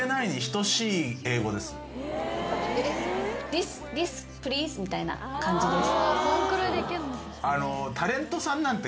「ディスディスプリーズ」みたいな感じです。